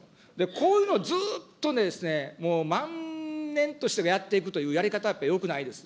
こういうのをずっとですね、まんねんとしてやっていくというやり方ってよくないです。